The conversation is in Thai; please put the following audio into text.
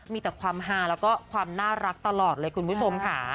มีแต่ความฮาแล้วก็ความน่ารักตลอดเลยคุณผู้ชมค่ะ